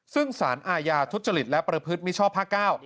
ซึ่งสารอาญาทุจริตและประพฤติมิชชอบภาค๙